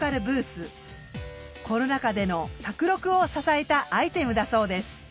コロナ禍での宅録を支えたアイテムだそうです。